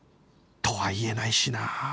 とは言えないしなあ